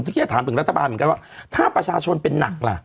รัฐบาลเหมือนกันว่าถ้าประชาชนเป็นหนัก